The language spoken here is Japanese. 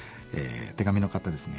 手紙の方ですね。